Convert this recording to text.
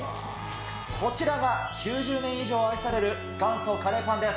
こちらが９０年以上愛される、元祖カレーパンです。